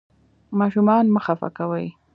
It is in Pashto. ماشومان مه خفه کوئ.